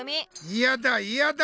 いやだいやだ